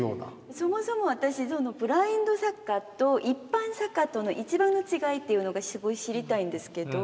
そもそも私ブラインドサッカーと一般サッカーとの一番の違いっていうのがすごい知りたいんですけど。